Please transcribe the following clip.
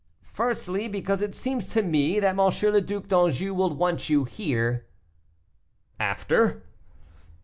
"Firstly, because it seems to me that M. le Duc d'Anjou will want you here." "After?"